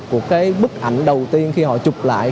của cái bức ảnh đầu tiên khi họ chụp lại